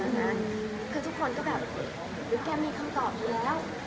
คือทุกคนก็แบบหรือแกมีคำตอบหนูแล้ว